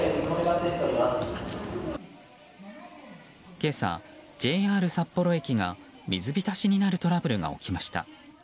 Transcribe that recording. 今朝ＪＲ札幌駅が水浸しになるトラブルが起きました。